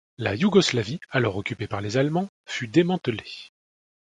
La Yougoslavie alors occupée par les Allemands fut démantelée.